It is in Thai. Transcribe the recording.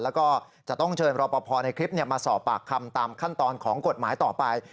แล้วก็จะต้องเชิญรอปภในคลิปมาสอบปากคำตามขั้นตอนของกฎหมายต่อไป